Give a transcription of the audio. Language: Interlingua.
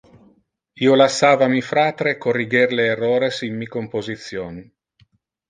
Io lassava mi fratre corriger le errores in mi composition.